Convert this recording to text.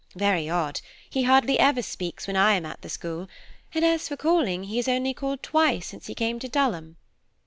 Very odd, he hardly ever speaks when I am at the school, and as for calling, he has only called twice since he came to Dulham.